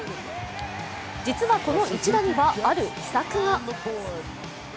実はこの一打には、ある秘策が。